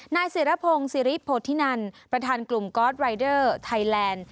นายศิรพงศ์สิริโพธินันประธานกลุ่มกอสรายเดอร์ไทยแลนด์